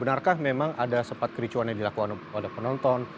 benarkah memang ada sempat kericauannya dilakukan pada penonton